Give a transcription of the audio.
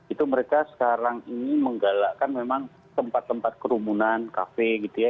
itu mereka sekarang ini menggalakkan memang tempat tempat kerumunan kafe gitu ya